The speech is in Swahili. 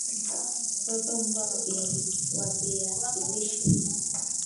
weka unga wa viazi lishe